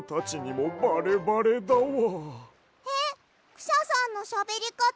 クシャさんのしゃべりかた